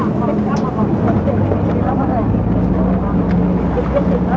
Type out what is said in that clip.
มันเป็นสิ่งที่จะให้ทุกคนรู้สึกว่ามันเป็นสิ่งที่จะให้ทุกคนรู้สึกว่า